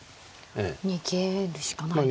逃げるしかないですね。